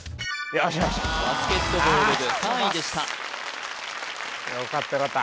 よしよしバスケットボール部３位でしたよかったよかった